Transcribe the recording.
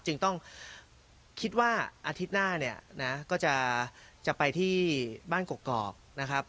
จึงต้องคิดว่าอาทิตย์หน้าเนี่ยนะก็จะไปที่บ้านกกอกนะครับ